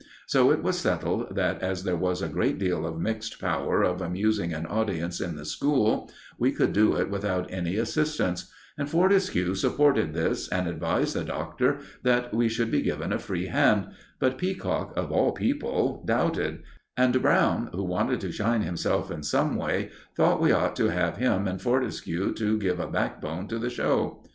So it was settled that as there was a great deal of mixed power of amusing an audience in the school, we could do it without any assistance; and Fortescue supported this, and advised the Doctor that we should be given a free hand; but Peacock, of all people, doubted, and Brown, who wanted to shine himself in some way, thought we ought to have him and Fortescue to give a backbone to the show.